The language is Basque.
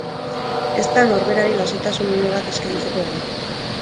Ezta norberari lasaitasun une bat eskaintzeko ere.